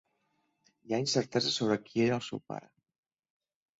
Hi ha incertesa sobre qui era el seu pare.